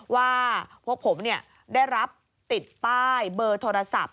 ว่าพวกผมได้รับติดป้ายเบอร์โทรศัพท์